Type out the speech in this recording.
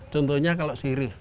contohnya kalau sirih